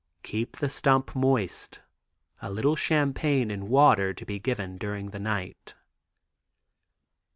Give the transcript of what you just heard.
"Keep the stump moist; a little champagne and water to be given during the night."